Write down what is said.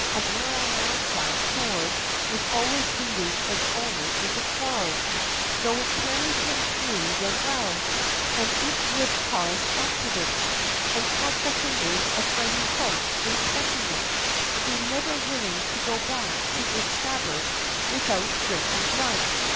A Muramasa sword was always leading its owner into quarrels, though it carried him through them well; and it would cause accidents, and cut the fingers of friendly folks inspecting it, being never willing to go back to its scabbard without drinking blood.